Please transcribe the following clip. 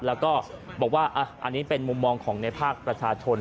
แล้วก็บอกว่าอันนี้เป็นมุมมองของในภาคประชาชน